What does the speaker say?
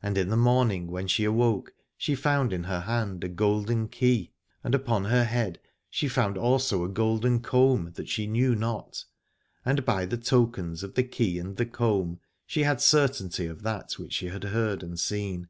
And in the morning when she awoke she found in her hand a golden key, and upon her head she found also a golden comb that she knew not : and by the tokens of the key and the comb she had certainty of that which she had heard and seen.